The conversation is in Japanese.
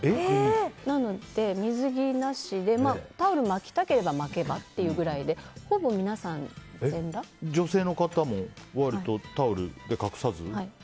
なので、水着なしでタオルを巻きたければ巻けば？っていうくらいで女性の方も割とタオルで隠さず？